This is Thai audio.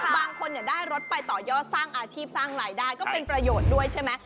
บางคนได้รถไปต่อยอดสร้างอาชีพสร้างรายได้ก็เป็นประโยชน์ด้วยใช่ไหม